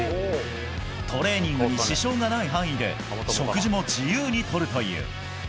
トレーニングに支障がない範囲で、食事も自由にとるという。